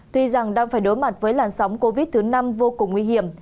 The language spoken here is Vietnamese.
tuy rằng đang phải đối mặt với làn sóng covid thứ năm vô cùng nguy hiểm